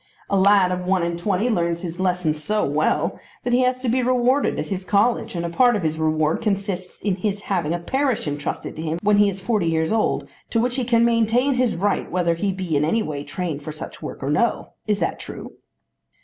"A lad of one and twenty learns his lessons so well that he has to be rewarded at his college, and a part of his reward consists in his having a parish entrusted to him when he is forty years old, to which he can maintain his right whether he be in any way trained for such work or no. Is that true?"